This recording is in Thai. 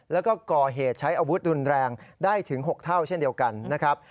แล้วก็ก่อเหตุใช้อาวุธรุนแรงได้ถึง๖เท่าเช่นเดียวกันนะครับ